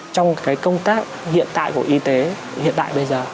trong công tác hiện tại của y tế hiện tại bây giờ